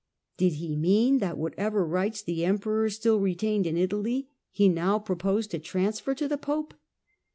Did he mean that whatever rights the emperors still retained in Italy he now proposed to transfer to the Pope